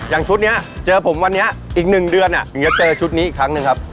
ชุดนี้เจอผมวันนี้อีก๑เดือนถึงจะเจอชุดนี้อีกครั้งหนึ่งครับ